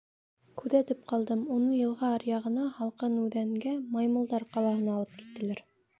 Күҙәтеп ҡалдым, уны йылға аръяғына — Һалҡын Үҙәнгә, маймылдар ҡалаһына алып киттеләр.